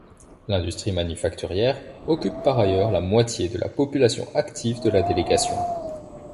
L'industrie manufacturière occupe par ailleurs la moitié de la population active de la délégation.